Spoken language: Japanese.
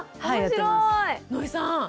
野井さん